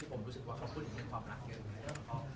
ผมรู้สึกว่าเขาพูดถึงเรื่องความรักเยอะ